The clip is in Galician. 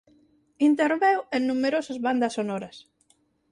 Interveu en numerosas bandas sonoras.